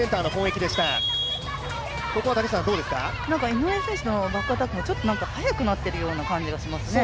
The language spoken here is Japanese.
井上選手のバックアタックも速くなってるような感じがしますね。